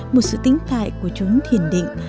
một sự tính tại của chúng thiền định